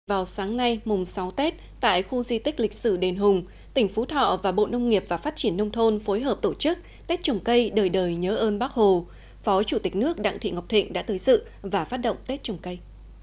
vào sáng nay mùng sáu tết tại khu di tích lịch sử đền hùng tỉnh phú thọ và bộ nông nghiệp và phát triển nông thôn phối hợp tổ chức tết trồng cây đời đời nhớ ơn bác hồ phó chủ tịch nước đặng thị ngọc thịnh đã tới sự và phát động tết trồng cây